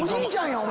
お前。